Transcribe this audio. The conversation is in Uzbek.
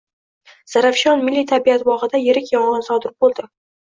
Zarafshon milliy tabiat bog‘ida yirik yong‘in sodir bo‘ldi